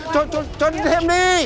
cho cho cho thêm đi